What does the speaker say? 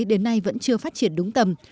đến nay vẫn chưa phát triển đúng tầm